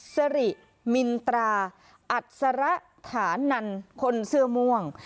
สิริมินตราอัศระถานันคนเสื้อม่วง